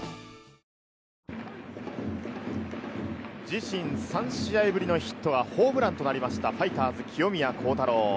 自身、３試合ぶりのヒットはホームランとなりました、ファイターズの清宮幸太郎。